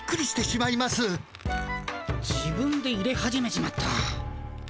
自分でいれ始めちまった。